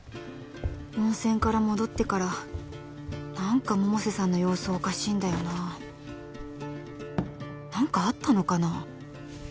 温泉から戻ってから何か百瀬さんの様子おかしいんだよな何かあったのかな？